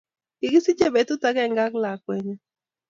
kikisichei betut akenge ak lakeenyu